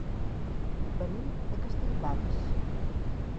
Venim de Castelldans.